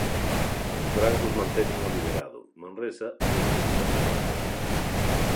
Os brancos manteñen o liderado, Manresa segue pelexando pola Copa.